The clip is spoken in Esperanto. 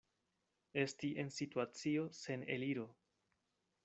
Esti en situacio sen eliro.